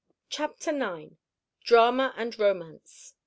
CHAPTER IX. DRAMA AND ROMANCE.